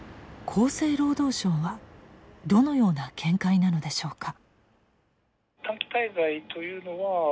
厚生労働省はどのような見解なのでしょうか。